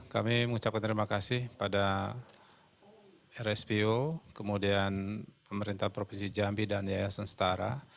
kami mengucapkan terima kasih pada rspo kemudian pemerintah provinsi jambi dan yayasan setara